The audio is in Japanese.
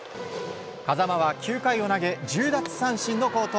風間は９回を投げ１０奪三振の好投。